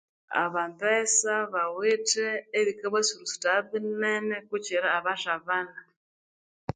Abambesa bawithe ebikabasulusuthaya binene kikira abathabana